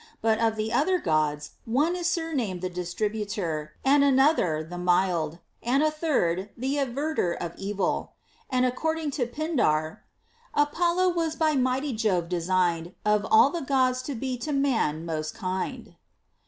But of the other Gods one is surnamed the Distributer, and another the Mild, and a third the Averter of Evil. And according to Pindar, Apollo was by mighty Jove designed Of all the Gods to be to man most kind.